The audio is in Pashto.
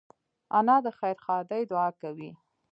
انا د خیر ښادۍ دعا کوي